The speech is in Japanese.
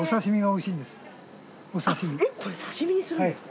これ刺身にするんですか？